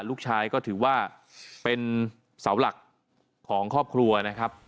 ลูกชายก็ถือว่าเป็นเสาหลักของครอบครัวนะครับ